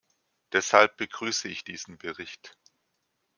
Deshalb begrüße ich diesen Bericht.